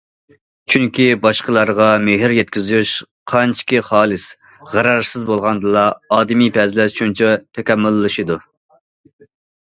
چۈنكى، باشقىلارغا مېھىر يەتكۈزۈش قانچىكى خالىس، غەرەزسىز بولغاندىلا، ئادىمىي پەزىلەت شۇنچە تاكامۇللىشىدۇ.